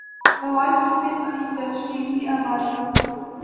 لاہور کی film industry بھی آباد تھی۔